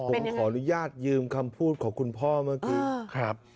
ผมขออนุญาตยืมคำพูดของคุณพ่อเมื่อกี้ครับ